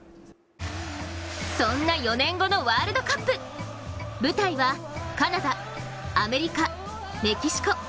そんな４年後のワールドカップ舞台はカナダ、アメリカ、メキシコ。